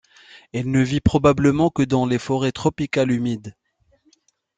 Elle ne vit probablement que dans les forêts tropicales humides.